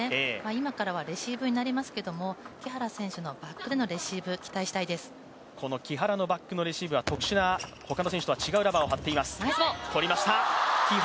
今からはレシーブになりますけれども、木原選手のバックでのレシーブ木原のバックのレシーブは特殊なラバーを貼っています。